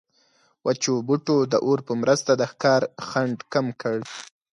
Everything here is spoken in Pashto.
وچو بوټو د اور په مرسته د ښکار خنډ کم کړ.